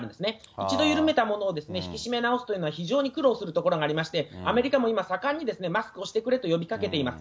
一度緩めたことを引き締め直すというのは非常に苦労するところがありまして、アメリカも今、盛んにマスクをしてくれと呼びかけています。